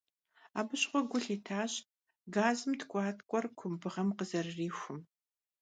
Абы щыгъуэ гу лъитащ газым ткIуаткIуэр кумбыгъэм къызэрырихум.